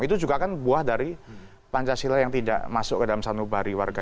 itu juga kan buah dari pancasila yang tidak masuk ke dalam sanubari warga